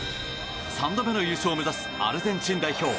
３度目の優勝を目指すアルゼンチン代表。